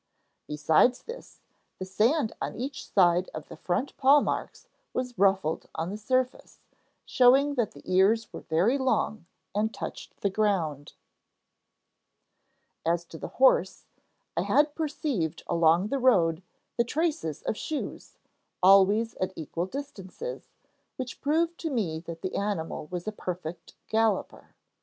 Besides this, the sand on each side of the front paw marks was ruffled on the surface, showing that the ears were very long and touched the ground. [Illustration: The King & Queen rejoice when their pets return.] 'As to the horse, I had perceived along the road the traces of shoes, always at equal distances, which proved to me that the animal was a perfect galloper.